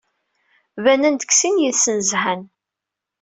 Banen-d deg sin yid-sen zhan.